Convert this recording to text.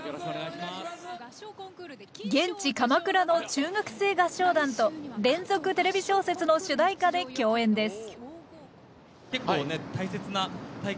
現地鎌倉の中学生合唱団と連続テレビ小説の主題歌で共演です